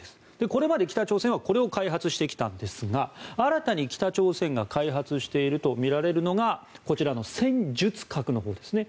これまで北朝鮮はこれを開発してきたんですが新たに北朝鮮が開発しているとみられるのがこちらの戦術核のほうですね。